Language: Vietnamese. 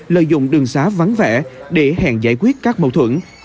lợi dụng đường xá vắng vẻ để hẹn giải quyết các mâu thuẫn